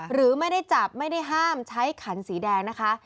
หรือไม่ได้จับไม่ได้ห้ามใช้ขันสีแดงนะคะ